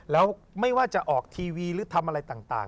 แล้วไม่ว่าจะออกทีวีหรือทำอะไรต่าง